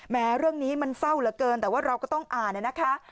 แม้เรื่องนี้มันเศร้าเหลือเกินแต่ว่าเราก็ต้องอ่านนะคะ